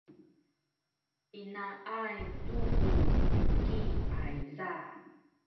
pinaay tu ku tuki ayza?